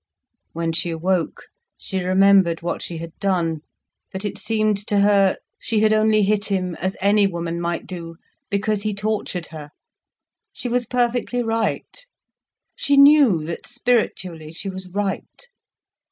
When she awoke, she remembered what she had done, but it seemed to her, she had only hit him, as any woman might do, because he tortured her. She was perfectly right. She knew that, spiritually, she was right.